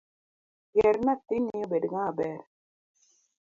Ger nathini obed ng'ama ber.